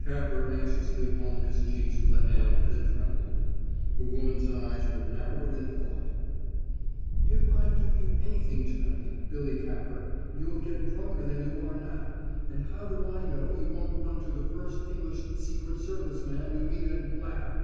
Capper anxiously honed his cheeks with a hand that trembled. The woman's eyes were narrowed in thought. "If I give you anything to night, Billy Capper, you'll get drunker than you are now, and how do I know you won't run to the first English secret service man you meet and blab?"